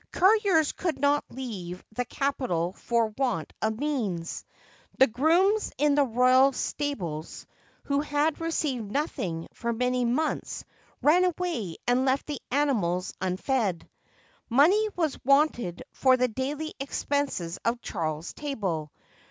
Couriers could not leave the capital for want of means. The grooms in the royal sta bles, who had received nothing for many months, ran away and left the animals unfed. Money was wanted for the daily expenses of Charles's table.